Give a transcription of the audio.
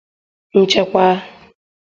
“Nchekwa